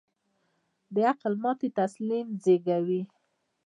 د عقل ماتې تسلیم زېږوي.